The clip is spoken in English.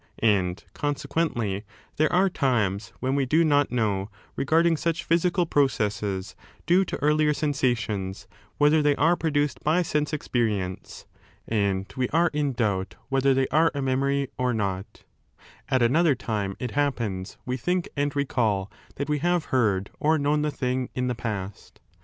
And, consequently, there 17 are times when we do not know, regarding such psychical processes due to earlier sensations, whether they are produced by sense experience, and we are in doubt whether they are a memory or not,' At another time it happens we think and recall that we have heard or known the thing in the past.